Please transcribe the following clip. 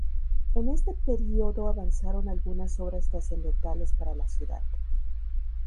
En este período avanzaron algunas obras trascendentales para la ciudad.